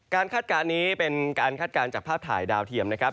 คาดการณ์นี้เป็นการคาดการณ์จากภาพถ่ายดาวเทียมนะครับ